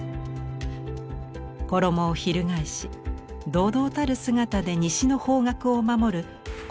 衣をひるがえし堂々たる姿で西の方角を守る広目天。